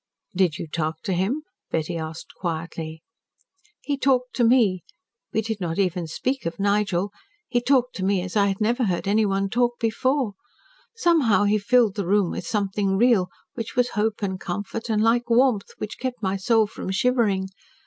"Did you talk to him?" Betty asked quietly. "He talked to me. We did not even speak of Nigel. He talked to me as I had never heard anyone talk before. Somehow he filled the room with something real, which was hope and comfort and like warmth, which kept my soul from shivering.